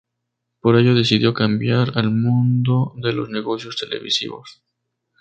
Por ello, decidió cambiar al mundo de los negocios televisivos.